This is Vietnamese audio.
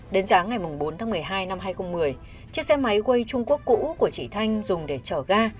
đến sáng ngày bốn tháng một mươi hai năm hai nghìn một mươi chiếc xe máy way trung quốc cũ của chị thanh dùng để chở ga